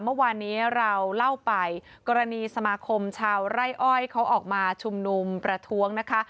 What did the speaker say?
เมื่อวานนี้เราเล่าไปกรณีสมาคมชาวไร่อ้อยเขาออกมาชุมนุมประท้วงนะคะ